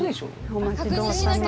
お待ちどおさま。